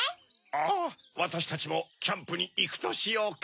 ああわたしたちもキャンプにいくとしようか。